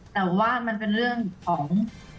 แต่ว่ามันเป็นเรื่องของ